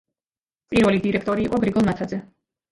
პირველი დირექტორი იყო გრიგოლ ნათაძე.